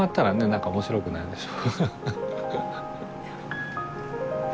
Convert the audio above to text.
何か面白くないでしょ。